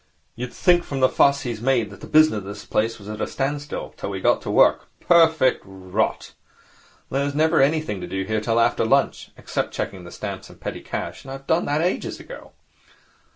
'You'd think from the fuss he's made that the business of the place was at a standstill till we got to work. Perfect rot! There's never anything to do here till after lunch, except checking the stamps and petty cash, and I've done that ages ago.